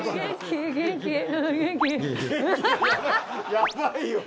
やばいよ！